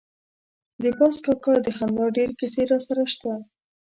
د باز کاکا د خندا ډېرې کیسې راسره شته.